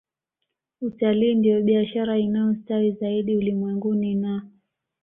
Utalii ndiyo biashara inayostawi zaidi ulimwenguni na